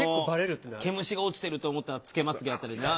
毛虫が落ちてると思ったら付けまつげだったりな。